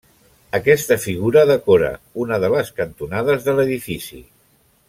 Aquesta figura decora una de les cantonades de l'edifici.